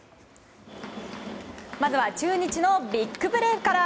まずは中日のビッグプレーから。